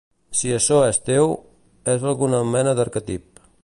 Si açò és teu, és alguna mena d'arquetip.